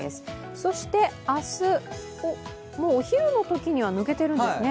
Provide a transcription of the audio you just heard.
そして明日、お昼には抜けているんですね？